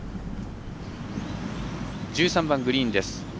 １３番グリーンです。